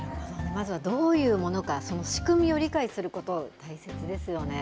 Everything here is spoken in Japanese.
まずはどういうものか、その仕組みを理解すること、大切ですよね。